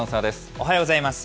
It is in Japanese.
おはようございます。